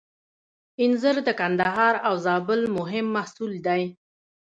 انځر د کندهار او زابل مهم محصول دی.